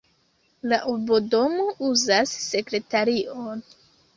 La urbodomo uzas sekretarion.